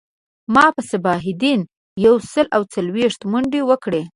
ما په صباح الدین یو سل او څلویښت منډی وکړی